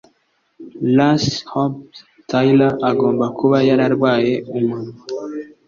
Lucy Hobbs Taylor agomba kuba yararwaye umunwa